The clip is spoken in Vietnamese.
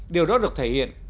điều đó được thể hiện